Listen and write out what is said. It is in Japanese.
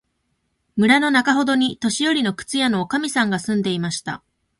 村のなかほどに、年よりの靴屋のおかみさんが住んでいました。